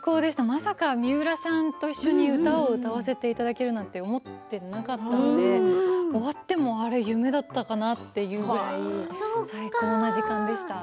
まさか三浦さんと一緒に歌を歌わせてもらえるなんて思ってもいなかったので終わってもあれ夢だったかなっていう感じで最高な時間でした。